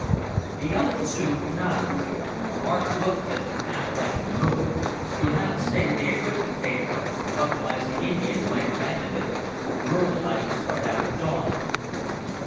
The other two nodded. Mark looked at them in the half light of the Moon. "You'll have to stay with the equipment, Pedro, otherwise the Indians might abandon it. Burl and I will start out at dawn."